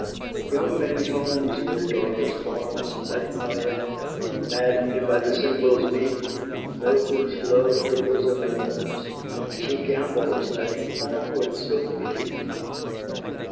Young men's homes your daughter storms, Like Thyiad, madden'd by the cymbals' beat: Nothus' love her bosom warms: She gambols like a fawn with silver feet.